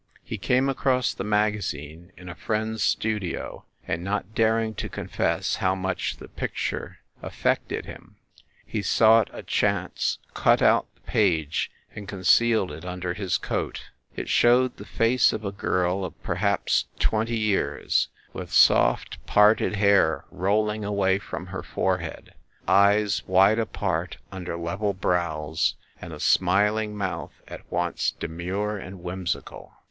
He came across the magazine in a friend s studio, and, not daring to confess how much the picture af PROLOGUE 13 fected him, he sought a chance, cut out the page and concealed it under his coat. It showed the face of a girl of perhaps twenty years, with soft, parted hair rolling away from her forehead, eyes wide apart under level brows and a smiling mouth at once de mure and whimsical.